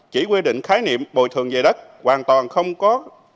chỉ quy định khái niệm bồi thường về đất hoàn toàn không có